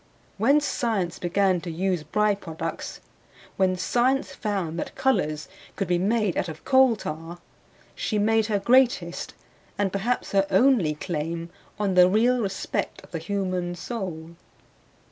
When science began to use by products; when science found that colors could be made out of coaltar, she made her greatest and perhaps her only claim on the real respect of the human soul.